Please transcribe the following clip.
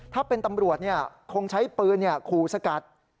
ถ้าเป็นตำรวจคงใช้ปืนขู่สกัด